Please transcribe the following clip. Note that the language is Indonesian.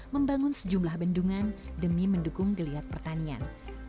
membangun sejumlah bendungan demi mendukung geliat pertanian